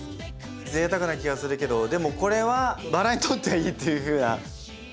贅沢な気がするけどでもこれはバラにとってはいいっていうふうな。